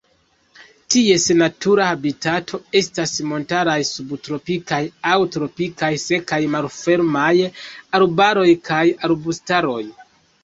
Ties natura habitato estas montaraj subtropikaj aŭ tropikaj sekaj malfermaj arbaroj kaj arbustaroj.